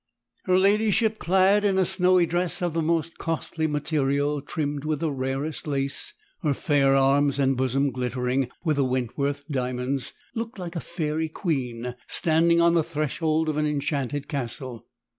Her ladyship clad in a snowy dress of the most costly material trimmed with the rarest lace, her fair arms and bosom glittering with the Wentworth diamonds, looked like a fairy queen standing on the threshold of an enchanted castle.